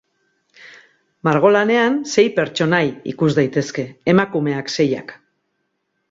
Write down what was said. Margolanean sei pertsonai ikus daitezke, emakumeak seiak.